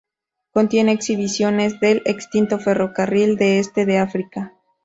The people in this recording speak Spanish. Contiene exhibiciones del extinto Ferrocarril del Este de África.